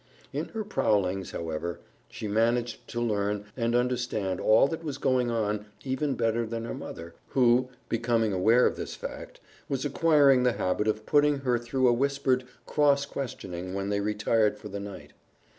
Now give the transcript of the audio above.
In her prowlings, however, she managed to learn and understand all that was going on even better than her mother, who, becoming aware of this fact, was acquiring the habit of putting her through a whispered cross questioning when they retired for the night.